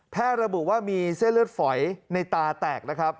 ระบุว่ามีเส้นเลือดฝอยในตาแตกนะครับ